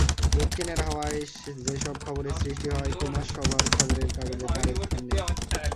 দক্ষিণের হাওয়ায় যে-সব খবরের সৃষ্টি হয়, কুমারসভার খবরের কাগজে তার স্থান নেই।